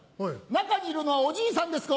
中にいるのはおじいさんですか？